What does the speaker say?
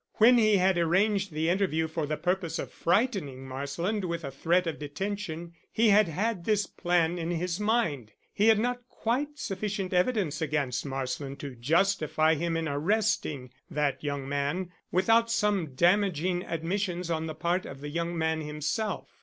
When he had arranged the interview for the purpose of frightening Marsland with a threat of detention, he had had this plan in his mind. He had not quite sufficient evidence against Marsland to justify him in arresting that young man without some damaging admissions on the part of the young man himself.